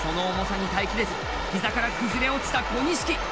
その重さに耐え切れず膝から崩れ落ちた小錦。